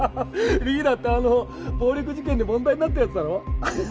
リーダーってあの暴力事件で問題になったやつだろ？